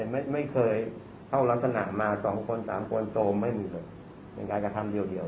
ไม่เคยเข้ารักษณะมาสองคนสามคนโซมไม่มีเลยเป็นการกระทำเดียว